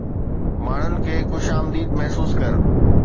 ماڻهن کي خوش آمديد محسوس ڪر